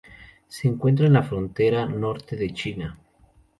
Se encuentra en la frontera norte de China.